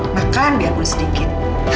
makan biar kurang sedikit